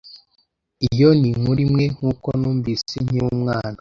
Iyo ni inkuru imwe nkuko numvise nkiri umwana.